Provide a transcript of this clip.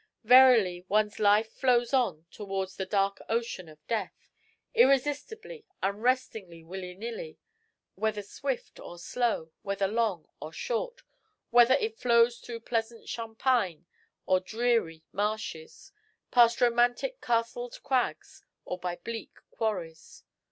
Verily, one's life flows on towards the dark ocean of death, irresistibly, unrestingly, willy nilly whether swift or slow, whether long or short whether it flows through pleasant champaigns or dreary marshes, past romantic castled crags, or by bleak quarries.